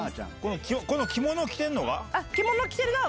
この着物着てんのは？